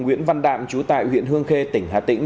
nguyễn văn đạm trú tại huyện hương khê tỉnh hà tĩnh